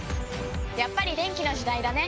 やっぱり電気の時代だね！